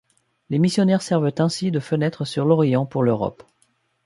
Les missionnaires servent ainsi de fenêtre sur l'Orient pour l'Europe.